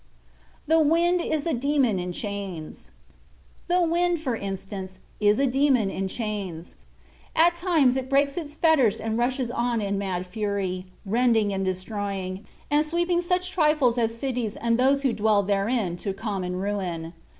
THE WIND IS A DEMON IN CHAINS The wind, for instance, is a demon in chains. At times it breaks its fetters and rushes on in mad fury, rending and destroying, and sweeping such trifles as cities and those who dwell therein to common ruin.